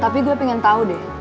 tapi gue pingin tau deh